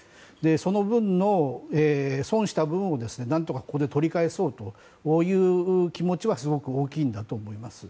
その分の損した分を何とかここで取り返そうという気持ちはすごく大きいんだと思います。